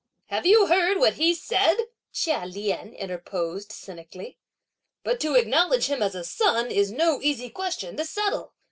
"Have you heard what he said?" Chia Lien interposed cynically. "But to acknowledge him as a son is no easy question to settle!"